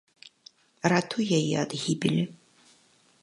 Ратуй яе ад гібелі.